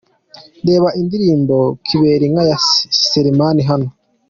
Reba indirimbo Kiberinka ya Selemani hano:.